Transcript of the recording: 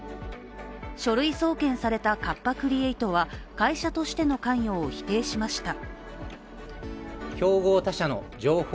書類送検されたカッパ・クリエイトは会社としての関与を否定しました。